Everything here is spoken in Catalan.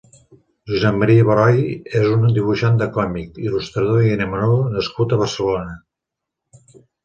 Josep Mª Beroy és un dibuixant de còmic, il·lustrador i animador nascut a Barcelona.